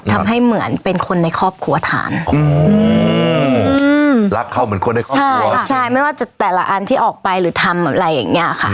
ทำให้เหมือนเป็นคนในครอบครัวทานรักเขาเหมือนคนในครอบครัวใช่ไม่ว่าจะแต่ละอันที่ออกไปหรือทำอะไรอย่างเงี้ยค่ะ